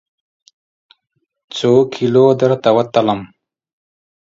څوکیلو درته وتلم؟